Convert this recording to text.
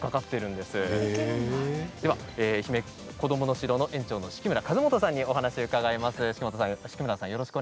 では、えひめこどもの城の園長の敷村一元さんに伺います。